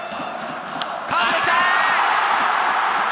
カーブで来た！